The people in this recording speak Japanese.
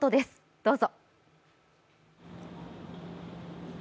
どうぞ。